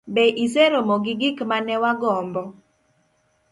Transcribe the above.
be iseromo gi gik ma ne wagombo?